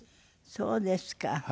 そうですか。